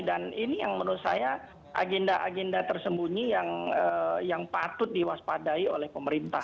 dan ini yang menurut saya agenda agenda tersembunyi yang patut diwaspadai oleh pemerintah